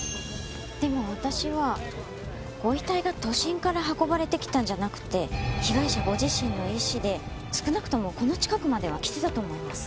でも私はご遺体が都心から運ばれてきたんじゃなくて被害者ご自身の意思で少なくともこの近くまでは来てたと思います。